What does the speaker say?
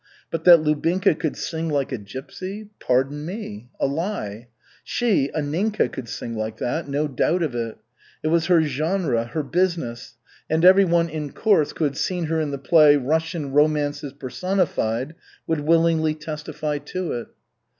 But that Lubinka could sing like a gypsy pardon me! A lie! She, Anninka, could sing like that, no doubt of it. It was her genre, her business, and everyone in Kursk who had seen her in the play, Russian Romances Personified, would willingly testify to it.